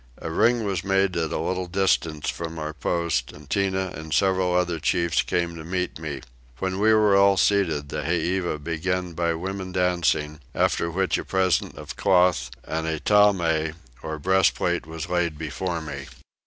A ring was made at a little distance from our post, and Tinah and several other chiefs came to meet me. When we were all seated the heiva began by women dancing; after which a present of cloth and a tawme or breastplate was laid before me.